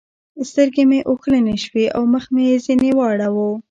سترګې مې اوښلنې شوې او مخ مې ځنې واړاوو.